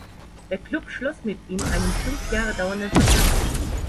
Der Club schloss mit ihm einen fünf Jahre dauernden Vertrag ab.